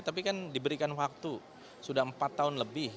tapi kan diberikan waktu sudah empat tahun lebih